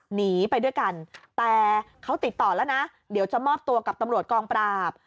หนีไปด้วยกันแต่เขาติดต่อแล้วนะเดี๋ยวจะมอบตัวกับตำรวจกองปราบ